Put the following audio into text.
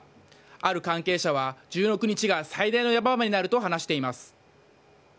ある関係者は１６日が最大のヤマ場になると話しています。